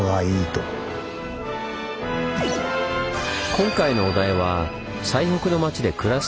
今回のお題は「“最北の町”で暮らすとは？」。